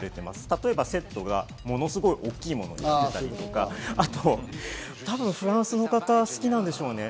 例えば、セットがものすごく大きいものだったり、あと、フランスの方、好きなんでしょうね。